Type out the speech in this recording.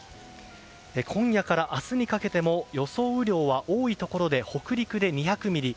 今夜から明日にかけても予想雨量は多いところで北陸で２００ミリ